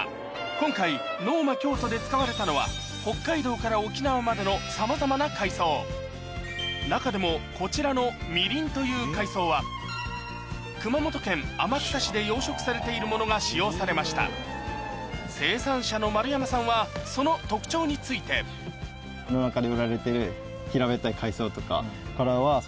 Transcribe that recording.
今回ＮｏｍａＫｙｏｔｏで使われたのは北海道から沖縄までの中でもこちらのミリンという海藻は熊本県天草市で養殖されているものが使用されました生産者の丸山さんはその特徴についてが味わえますね。